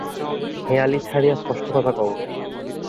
হেঁয়ালি ছাড়িয়া স্পষ্ট কথা কও।